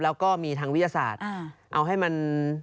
แล้วก็มีทางวิทยาศาสตร์เอาให้มัน